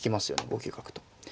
５九角と。